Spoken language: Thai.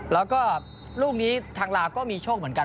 แล้วก็ลูกนี้ทางลาวก็มีโชคเหมือนกัน